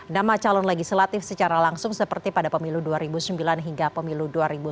nama calon legislatif secara langsung seperti pada pemilu dua ribu sembilan hingga pemilu dua ribu sembilan belas